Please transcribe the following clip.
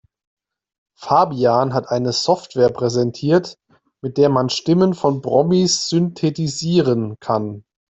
Fabian hat eine Software präsentiert, mit der man Stimmen von Promis synthetisieren kann.